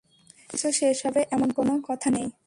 সবকিছু শেষ হবে এমন কোনো কথা নেই।